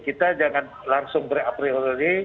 kita jangan langsung berapriori